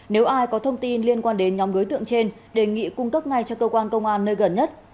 nếu ai có thông tin liên quan đến nhóm đối tượng trên đề nghị cung cấp ngay cho cơ quan công an nơi gần nhất